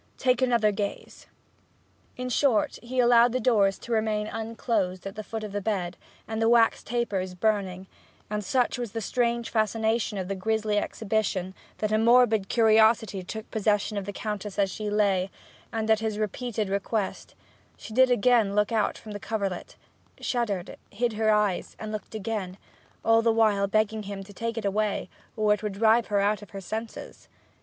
Take another gaze.' In short, he allowed the doors to remain unclosed at the foot of the bed, and the wax tapers burning; and such was the strange fascination of the grisly exhibition that a morbid curiosity took possession of the Countess as she lay, and, at his repeated request, she did again look out from the coverlet, shuddered, hid her eyes, and looked again, all the while begging him to take it away, or it would drive her out of her senses.